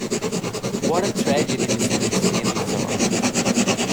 What a tragedy misunderstandings are.